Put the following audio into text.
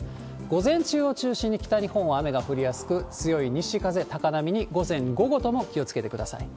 午前中を中心に、北日本は雨が降りやすく、強い西風、高波に午前、午後とも気をつけてください。